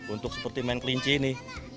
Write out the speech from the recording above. untuk seperti main klinci ini